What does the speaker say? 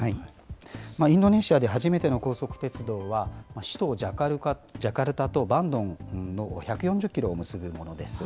インドネシアで初めての高速鉄道は、首都ジャカルタとバンドンの１４０キロを結ぶものです。